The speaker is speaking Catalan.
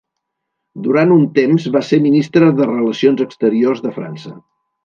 Durant un temps va ser ministre de Relacions Exteriors de França.